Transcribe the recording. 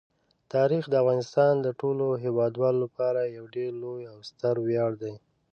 تاریخ د افغانستان د ټولو هیوادوالو لپاره یو ډېر لوی او ستر ویاړ دی.